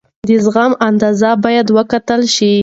د زغم اندازه باید وکتل شي.